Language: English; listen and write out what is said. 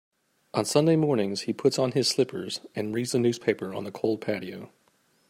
On Sunday mornings, he puts on his slippers and reads the newspaper on the cold patio.